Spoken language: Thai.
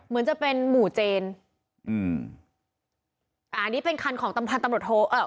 เหมือนจะเป็นหมู่เจนอืมอ่าอันนี้เป็นคันของตำพันตำรวจโทเอ่อ